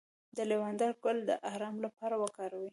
د لیوانډر ګل د ارام لپاره وکاروئ